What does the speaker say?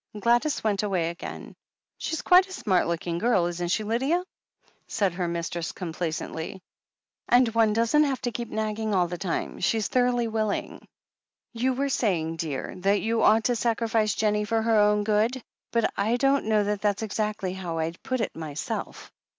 Gladys went away again. "She's quite a smart looking girl, isn't she, Lydia?" said her mistress complacently. "And one doesn't have to keep nagging all the time — ^she's thoroughly willing. You were saying, dear, that you ought to sacrifice Jennie for her own good, but I don't know that that's exactly how I'd put it, myself.